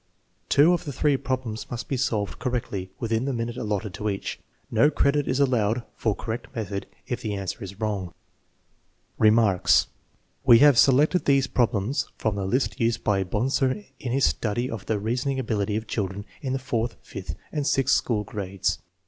Two of the three problems must be solved cor rectly within the minute allotted to each. No credit is allowed for correct method if the answer is wrong. 320 THE MEASUREMENT OF INTELLIGENCE Remarks. We have selected these problems from the list used by Bonser in his Study of the Reasoning Ability of Children in the Fourth, Fifth, and Sixth School Grades.